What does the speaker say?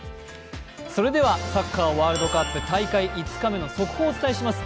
それではサッカーワールドカップ大会５日目の情報をお伝えします。